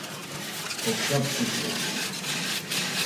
Opşa mtzupi on.